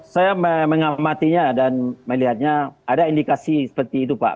saya mengamatinya dan melihatnya ada indikasi seperti itu pak